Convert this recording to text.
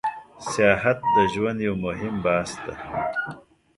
سیاحت د ژوند یو موهیم بحث ده